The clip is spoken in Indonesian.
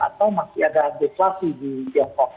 atau masih ada deflasi di tiongkok